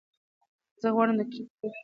زه غواړم چې د کرکت لوبه وکړم.